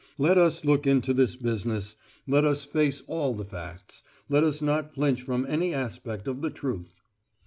Let us look into this business; let us face all the facts. Let us not flinch from any aspect of the truth."